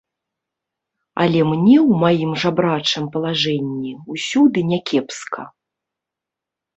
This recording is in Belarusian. Але мне ў маім жабрачым палажэнні ўсюды някепска.